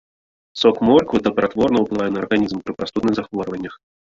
Сок морквы дабратворна ўплывае на арганізм пры прастудных захворваннях.